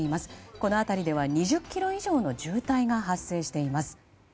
この辺りでは、２０ｋｍ以上の渋滞が発生しています。